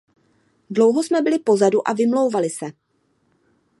Dlouho jsme byli pozadu a vymlouvali se.